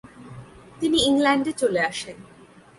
তিনি ইংল্যান্ডে চলে আসেন।